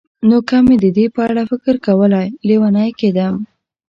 نو که مې د دې په اړه فکر کولای، لېونی کېدم.